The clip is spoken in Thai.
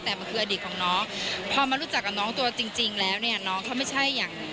แต่มันคืออดีตของน้องพอมารู้จักกับน้องตัวจริงจริงแล้วเนี่ยน้องเขาไม่ใช่อย่าง